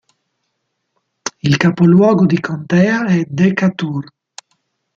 Il capoluogo di contea è Decatur.